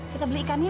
kita beli ikannya